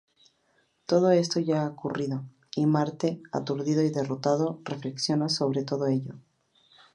Todo esto ya ha ocurrido y Marte, aturdido y derrotado, reflexiona sobre todo ello.